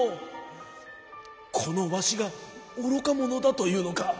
このわしがおろかものだというのか？